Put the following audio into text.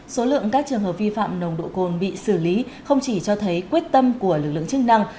số lượng các trường hợp vi phạm nồng độ cồn bị xử lý không chỉ cho thấy quyết tâm của lực lượng chức năng